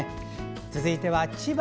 続いては千葉。